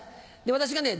私がね